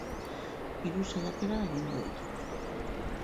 Hiru saiakera egingo ditu.